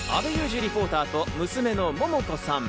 リポーターと、娘の桃子さん。